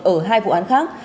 ở hai vụ án khác